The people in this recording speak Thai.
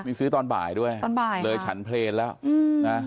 มีซื้อตอนบ่ายด้วยเลยฉันเพลนแล้ว